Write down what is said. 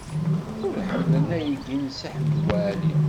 Ur ḥemmlen aydi n Si Ḥmed Waɛli.